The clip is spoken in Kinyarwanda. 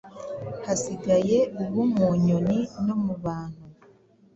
Hasigaye uwo mu nyoni no mu bantu.